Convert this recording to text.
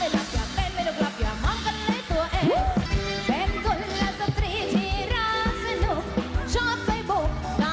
เดี๋ยวตเดินก่อน